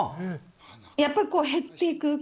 やっぱり減っていく。